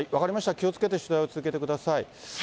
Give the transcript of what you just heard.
気をつけて取材を続けてください。